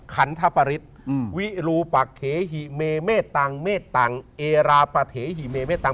ขันธปริตวิรุปะเขหิเมเมตังเมตังเอระปะเทหิเมเมตัง